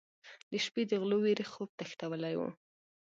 د شپې د غلو وېرې خوب تښتولی و.